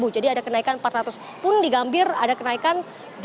jadi ada kenaikan empat ratus pun di gambir ada kenaikan delapan ratus